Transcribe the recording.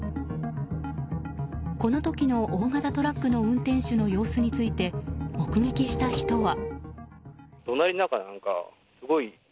この時の大型トラックの運転手の様子について目撃した人は。